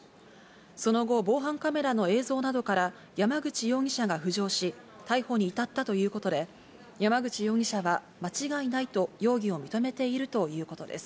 その後、防犯カメラの映像などから山口容疑者が浮上し、逮捕に至ったということで、山口容疑者は、間違いないと容疑を認めているということです。